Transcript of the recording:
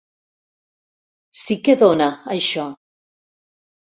Sí que dóna, això.